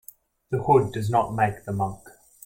The hood does not make the monk.